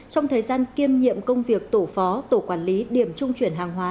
trong thời gian kiêm nhiệm công việc tổ phó tổ quản lý điểm trung chuyển hàng hóa